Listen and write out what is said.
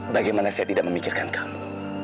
bagaimana saya tidak memikirkan kamu